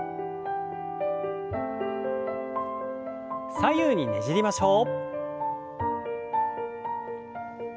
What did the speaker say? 左右にねじりましょう。